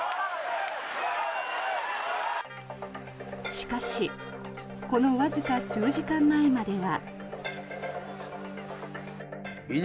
しかしこのわずか数時間前までは。